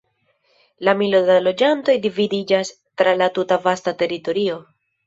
La milo da loĝantoj dividiĝas tra la tuta vasta teritorio.